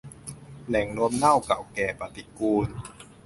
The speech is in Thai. แหล่งรวมเน่าเก่าแก่ปฏิกูล